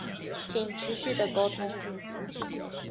請持續的溝通